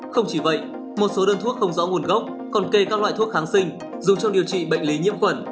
không chỉ vậy một số đơn thuốc không rõ nguồn gốc còn kê các loại thuốc kháng sinh dùng trong điều trị bệnh lý nhiễm khuẩn